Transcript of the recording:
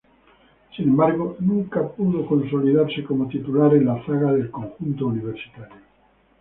Sin embargo, nunca pudo consolidarse como titular en la zaga del conjunto universitario.